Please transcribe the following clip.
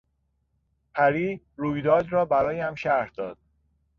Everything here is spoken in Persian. پری رویداد را برایم شرح داد.